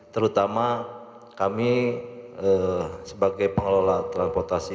terutama kami sebagai pengelola transportasi